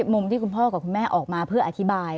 มุมที่คุณพ่อกับคุณแม่ออกมาเพื่ออธิบาย